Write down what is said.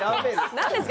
何ですか？